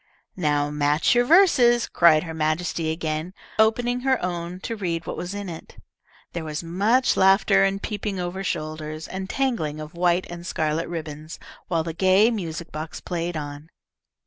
"Now match your verses," cried her Majesty again, opening her own to read what was in it. There was much laughing and peeping over shoulders, and tangling of white and scarlet ribbons, while the gay music box played on.